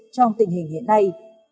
trong tình hình hiện nay